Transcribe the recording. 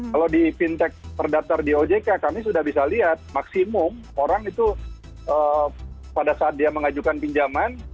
kalau di fintech terdaftar di ojk kami sudah bisa lihat maksimum orang itu pada saat dia mengajukan pinjaman